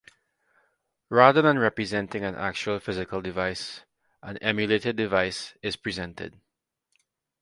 Rather than representing an actual physical device, an emulated virtual device is presented.